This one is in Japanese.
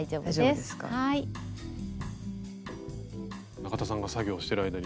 中田さんが作業してる間に。